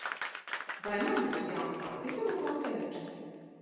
Vai man būs jauns atkritumu konteiners?